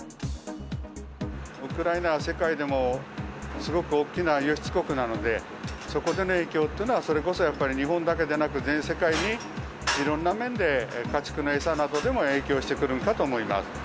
ウクライナは世界でもすごく大きな輸出国なので、そこでの影響っていうのは、それこそやっぱり日本だけでなく、全世界にいろんな面で、家畜の餌などでも影響してくるのかと思います。